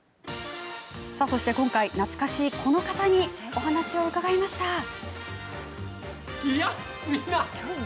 そして今回、懐かしいこの方にお話を伺いました。